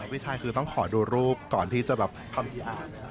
ไม่ใช่คือต้องขอดูรูปก่อนที่จะแบบทำทีอ่าน